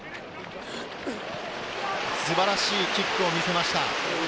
素晴らしいキックを見せました。